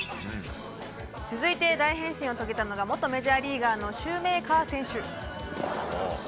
続いて、大変身を遂げたのが元メジャーリーガーのシューメーカー選手。